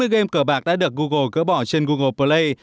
bốn mươi game cờ bạc đã được google gỡ bỏ trên google play